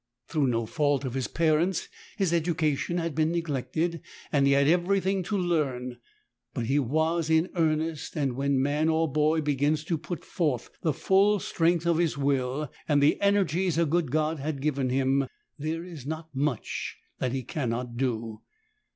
Through no fault of his parents, his education had been neglected and he had everything to learn. But he was in earnest, and when man or boy begins to put forth the full strength of his will, and the energies a good God has given him, there is not much that he can not do.